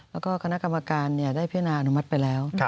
แล้วก็คณะกรรมการได้พิจารณาอนุมัติไปแล้ว